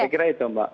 saya kira itu mbak